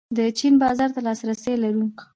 د چین بازار ته لاسرسی لرو؟